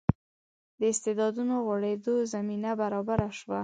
د استعدادونو غوړېدو زمینه برابره شوه.